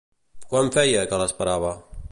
Quant feia que l'esperava?